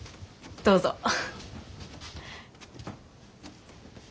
どうぞ。